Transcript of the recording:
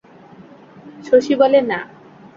শশী বলে, না।